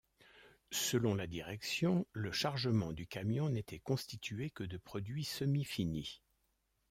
Selon la direction, le chargement du camion n'était constitué que de produits semi finis.